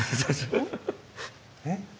えっ？